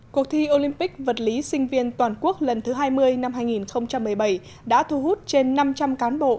cuộc thi olympic vật lý sinh viên toàn quốc lần thứ hai mươi năm hai nghìn một mươi bảy đã thu hút trên năm trăm linh cán bộ